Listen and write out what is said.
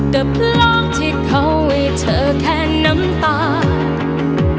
กับโลกที่เขาให้เธอแค่น้ำตาล